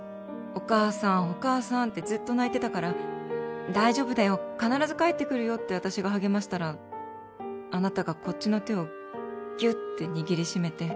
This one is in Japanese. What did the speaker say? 「お母さんお母さん」ってずっと泣いてたから「大丈夫だよ必ず帰って来るよ」って私が励ましたらあなたがこっちの手をギュって握り締めて。